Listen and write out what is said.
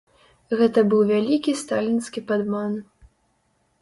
Гэта быў вялікі сталінскі падман.